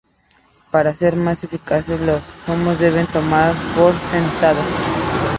Para ser más eficaces, los nomos deben tomar por sentado.